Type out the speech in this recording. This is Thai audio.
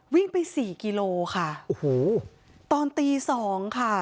วิ่งไปสี่กิโลค่ะโอ้โหตอนตีสองค่ะ